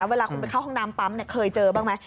เวลาคุณไปเข้าห้องน้ำปั๊มเคยเจอบ้างไหม